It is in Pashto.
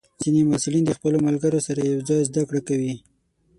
ځینې محصلین د خپلو ملګرو سره یوځای زده کړه کوي.